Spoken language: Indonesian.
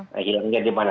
nah hilangnya di mana